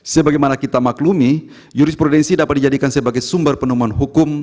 sebagaimana kita maklumi jurisprudensi dapat dijadikan sebagai sumber penemuan hukum